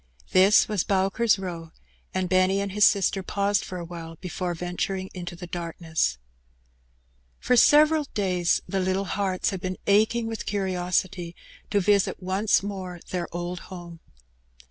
This was Bowker's Eow, and Benny and his sister paused for awhile before venturing into the darkness. For several days the little hearts had been aching with curiosity to visit once more their old home.